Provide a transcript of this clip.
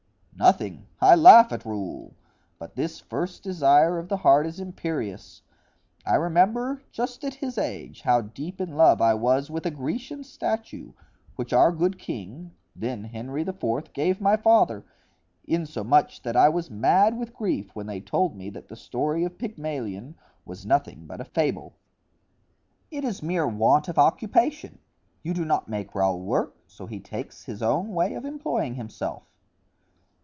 "Nothing—I laugh at Raoul; but this first desire of the heart is imperious. I remember, just at his age, how deep in love I was with a Grecian statue which our good king, then Henry IV., gave my father, insomuch that I was mad with grief when they told me that the story of Pygmalion was nothing but a fable." "It is mere want of occupation. You do not make Raoul work, so he takes his own way of employing himself."